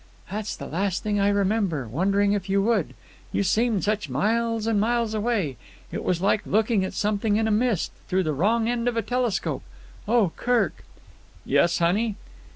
"That's the last thing I remember, wondering if you would. You seemed such miles and miles away. It was like looking at something in a mist through the wrong end of a telescope. Oh, Kirk!" "Yes, honey?"